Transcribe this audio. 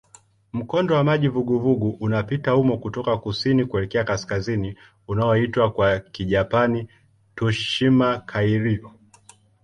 Mkondo wa maji vuguvugu unapita humo kutoka kusini kuelekea kaskazini unaoitwa kwa Kijapani "Tsushima-kairyū".